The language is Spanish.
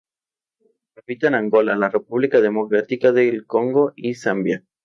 Habita en Angola, la República Democrática del Congo y Zambia.